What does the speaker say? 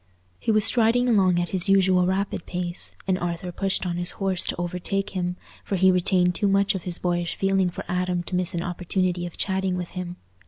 He was striding along at his usual rapid pace, and Arthur pushed on his horse to overtake him, for he retained too much of his boyish feeling for Adam to miss an opportunity of chatting with him.